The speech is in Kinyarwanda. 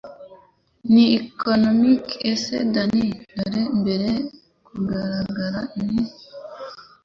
Ni Comic Ese Dan Dare mbere Kugaragara in